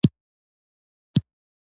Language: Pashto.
کرنه د اقتصادي ودې لپاره حیاتي سکتور دی.